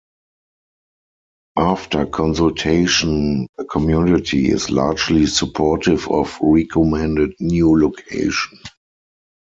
After consultation, the community is largely supportive of recommended new location.